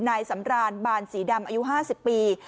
นายสำรานบานสีดำอายุ๕๐ปี